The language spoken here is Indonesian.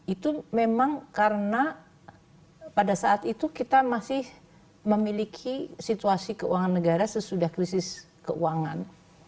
itu memang karena pada saat itu kita masih memiliki situasi keuangan negara sesudah krisis keuangan